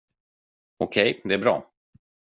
Okej, det är bra.